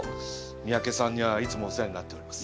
三宅さんにはいつもお世話になっております。